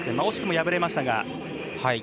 惜しくも敗れましたが。